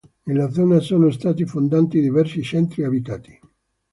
Nella zona sono stati fondati diversi centri abitati.